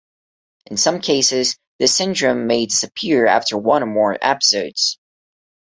In some cases, this syndrome may disappear after one or more episodes.